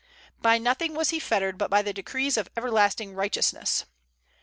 By nothing was he fettered but by the decrees of everlasting righteousness.